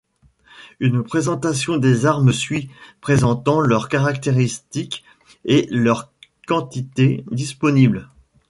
Une présentation des armes suit, présentant leurs caractéristiques et leur quantité disponible.